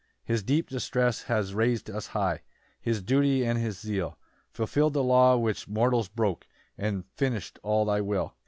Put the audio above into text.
2 His deep distress has rais'd us high, His duty and his zeal Fulfill'd the law which mortals broke, And finish'd all thy will.